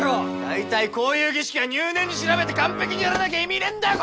大体こういう儀式は入念に調べて完璧にやらなきゃ意味ねえんだよ